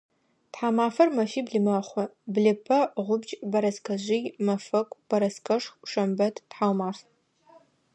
Тхьамафэр мэфибл мэхъу: блыпэ, гъубдж, бэрэскэжъый, мэфэку, бэрэскэшху, шэмбэт, тхьаумаф.